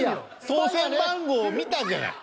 当選番号を見たじゃない。